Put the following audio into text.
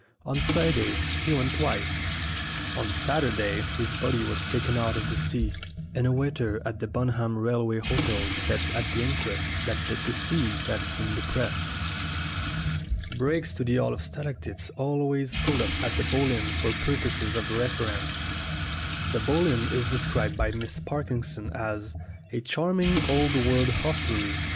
On Friday he went twice. On Saturday his body was taken out of the sea, and a waiter at the Bunham Rail way Hotel said at the inquest that the deceased had seemed depressed. Brakes to the Hall of Stalactites always pulled up at the Bull Inn for purposes of reference. The Bull Inn is described by Miss Parkinson as "a charming old world hostelry."